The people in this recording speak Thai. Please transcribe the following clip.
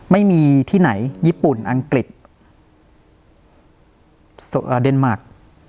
ไม่มีที่ไหนญี่ปุ่นอังกฤษเดนมาร์ค